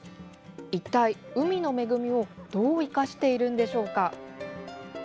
一体、海の恵みをどう生かしているんでしょうか。